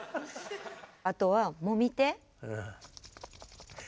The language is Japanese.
あとはもみ手。